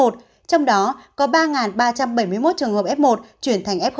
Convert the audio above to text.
trong đó có ba ba trăm bảy mươi một trường hợp f một chuyển thành f hai